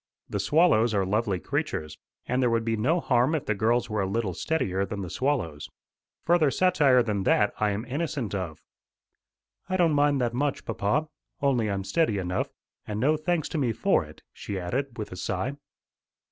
The swallows are lovely creatures, and there would be no harm if the girls were a little steadier than the swallows. Further satire than that I am innocent of." "I don't mind that much, papa. Only I'm steady enough, and no thanks to me for it," she added with a sigh.